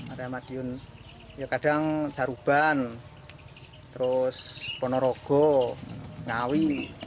area madiun ya kadang caruban terus ponorogo ngawi